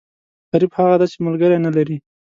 غریب هغه دی، چې ملکری نه لري.